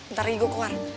ntar gue keluar